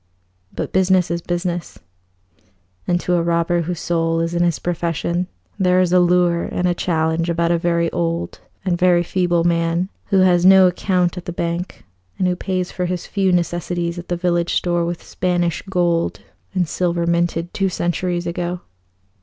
But business is business, and to a robber whose soul is in his profession, there is a lure and a challenge about a very old and very feeble man who has no account at the bank, and who pays for his few necessities at the village store with Spanish gold and silver minted two centuries ago.